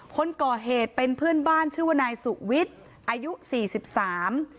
คนก่อเหตุเป็นเพื่อนบ้านชื่อว่านายสุวิทย์อายุสี่สิบสาม